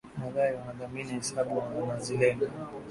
Nadhari wanadhamini, hesabu wanazilenga.